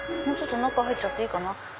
もうちょっと中入っちゃっていいかな？